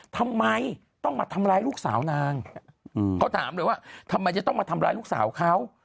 ทำไมต้องมาทำร้ายลูกสาวนางเขาถามเลยว่าทำไมจะต้องมาทำร้ายลูกสาวเขา